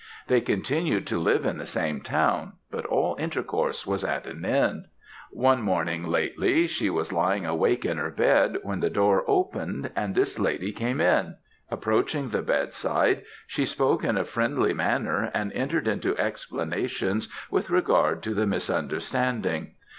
They continued to live in the same town, but all intercourse was at an end. "One morning, lately, she was lying awake in her bed, when the door opened, and this lady came in; approaching the bed side, she spoke in a friendly manner, and entered into explanations with regard to the misunderstanding.